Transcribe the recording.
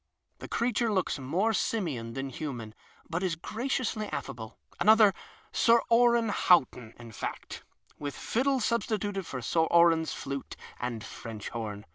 The creature looks more simian than human, but is graciously affable — another Sir Oran Haut ton, in fact, with fiddle substituted for Sir Oran's flute and French horn.